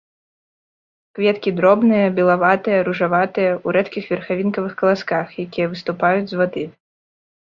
Кветкі дробныя, белаватыя, ружаватыя, у рэдкіх верхавінкавых каласках, якія выступаюць з вады.